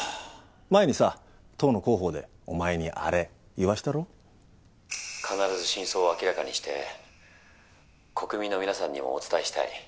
前にさ党の広報でお前にあれ必ず真相を明らかにして国民の皆さんにもお伝えしたい。